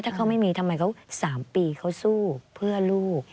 ถ้าเขาไม่มีทำไมเขา๓ปีเขาสู้เพื่อลูก